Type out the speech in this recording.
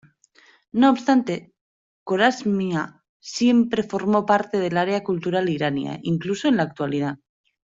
No obstante, Corasmia siempre formó parte del área cultural irania, incluso en la actualidad.